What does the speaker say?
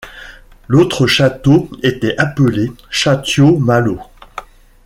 L'autre château était appelé Chattio-Malo.